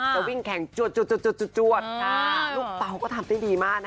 จะวิ่งแข่งจวดลูกเปล่าก็ทำได้ดีมากนะคะ